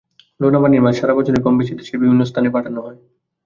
লোনা পানির মাছ সারা বছরই কমবেশি দেশের বিভিন্ন স্থানে পাঠানো হয়।